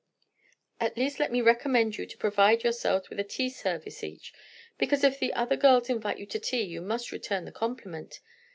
"At least let me recommend you to provide yourselves with a tea service each; because if other girls invite you to tea you must return the compliment.